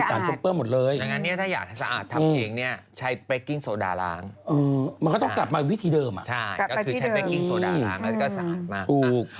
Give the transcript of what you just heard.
ใช่ก็คือใช้เบรกกิ้งโสดาล้างแล้วก็สาธิตมาก